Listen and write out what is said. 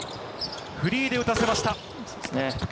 フリーで打たせました。